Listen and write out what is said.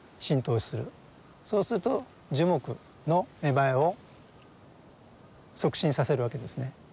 そうすると樹木の芽生えを促進させるわけですね。